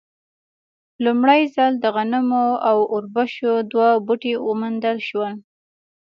لومړی ځل د غنمو او اوربشو دوه بوټي وموندل شول.